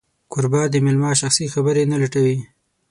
کوربه د مېلمه شخصي خبرې نه لټوي.